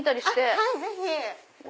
はいぜひ。